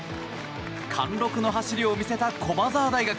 貫禄の走りを見せた駒澤大学。